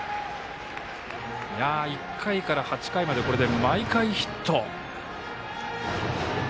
１回から８回までこれで毎回ヒット。